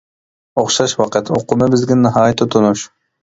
«ئوخشاش ۋاقىت» ئۇقۇمى بىزگە ناھايىتى تونۇش.